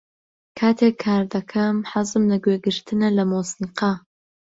کاتێک کار دەکەم، حەزم لە گوێگرتنە لە مۆسیقا.